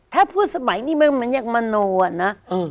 ถ้าพูดสมัยนี้มันเหมือนยังมโนอะนะ